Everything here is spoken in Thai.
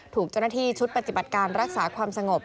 ถูกเจ้าหน้าที่ชุดปฏิบัติการรักษาความสงบ